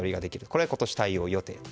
これは今年対応予定と。